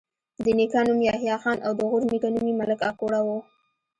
د نیکه نوم یحيی خان او د غورنیکه نوم یې ملک اکوړه وو